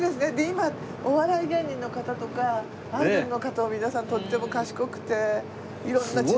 今お笑い芸人の方とかアイドルの方も皆さんとっても賢くて色んな知識。